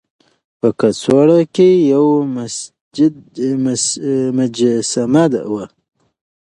په کڅوړه کې يوه مجسمه وه.